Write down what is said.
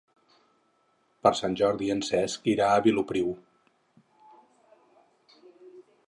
Per Sant Jordi en Cesc irà a Vilopriu.